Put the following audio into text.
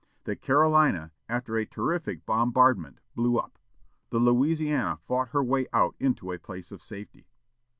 The Carolina, after a terrific bombardment, blew up. The Louisiana fought her way out into a place of safety.